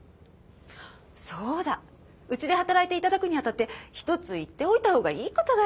そうだうちで働いて頂くにあたって一つ言っておいたほうがいいことがありました。